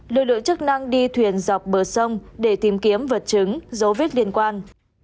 lực lượng chức năng đi thuyền dọc bờ sông để tìm kiếm vật chứng dấu vết liên quan